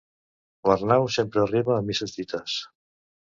L'Arnau sempre arriba a misses dites.